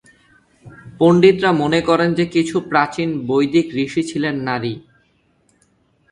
পণ্ডিতরা মনে করেন যে, কিছু প্রাচীন বৈদিক ঋষি ছিলেন নারী।